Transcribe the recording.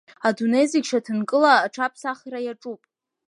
Адунеи зегьы шьаҭанкыла аҽыԥсахра иаҿуп.